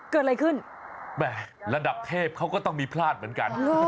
เกิดอะไรขึ้นแหม่ระดับเทพเขาก็ต้องมีพลาดเหมือนกัน